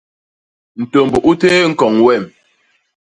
Ntômb u téé ñkoñ wem.